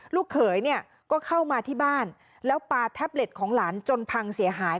ลูกเขยเนี่ยก็เข้ามาที่บ้านแล้วปลาแท็บเล็ตของหลานจนพังเสียหาย